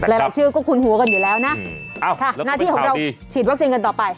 หลายชื่อก็คุ้นหัวกันอยู่แล้วนะหน้าที่ของเราฉีดวัคซีนกันต่อไป